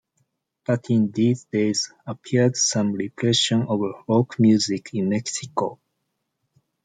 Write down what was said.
But in these days appeared some repression of rock music in Mexico.